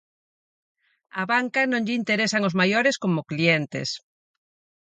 Á banca non lle interesan os maiores como clientes.